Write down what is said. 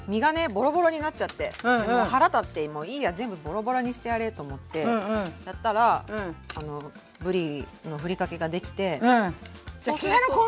ボロボロになっちゃって腹立ってもういいや全部ボロボロにしてやれと思ってやったらぶりのふりかけができてそうすると。